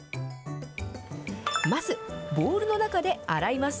まず、ボウルの中で洗います。